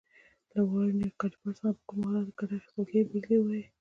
له ورنیز کالیپر څخه په کومو حالاتو کې ګټه اخیستل کېږي بېلګه ووایئ.